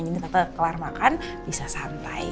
jadi tante kelar makan bisa santai